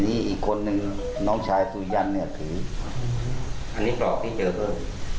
อันนี้อีกคนนึงน้องชายสวีอันเนี้ยอะนึงอันนี้กรอกพี่จะเพิ่ม